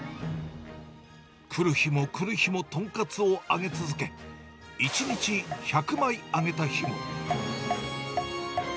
来る日も来る日も豚カツを揚げ続け、１日１００枚揚げた日も。